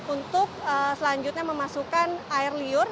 untuk selanjutnya memasukkan air liur